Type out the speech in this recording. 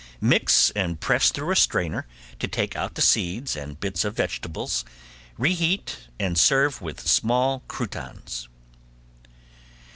Mix and press through a strainer to take out the seeds and bits of vegetables, reheat, and serve with small croutons.